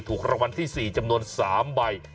ถูกรางวัลที่๔จำนวน๓ใบ